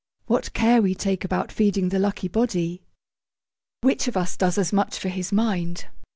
What care we take about feeding the lucky body! Which of us does as much for his mind?